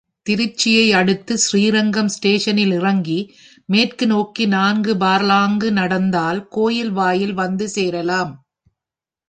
திருச்சியை அடுத்த ஸ்ரீரங்கம் ஸ்டேஷனில் இறங்கி மேற்கு நோக்கி நான்கு பர்லாங்கு நடந்தால் கோயில் வாயில் வந்து சேரலாம்.